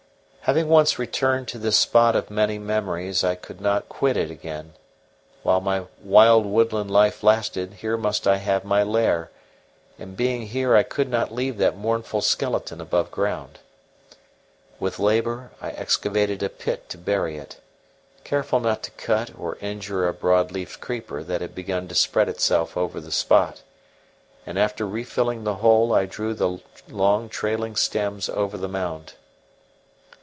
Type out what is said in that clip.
Having once returned to this spot of many memories, I could not quit it again; while my wild woodland life lasted, here must I have my lair, and being here I could not leave that mournful skeleton above ground. With labour I excavated a pit to bury it, careful not to cut or injure a broad leafed creeper that had begun to spread itself over the spot; and after refilling the hole I drew the long, trailing stems over the mound.